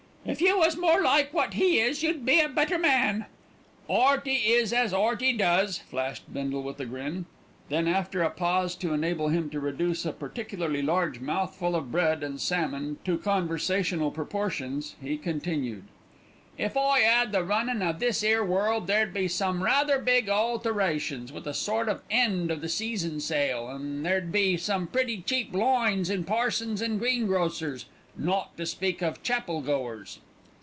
"If you was more like what he is, you'd be a better man." "'Earty is as 'Earty does," flashed Bindle with a grin. Then after a pause to enable him to reduce a particularly large mouthful of bread and salmon to conversational proportions, he continued: "If I 'ad the runnin' of this 'ere world, there'd be some rather big alterations, with a sort of 'end o' the season' sale, an' there'd be some pretty cheap lines in parsons an' greengrocers, not to speak of chapel goers."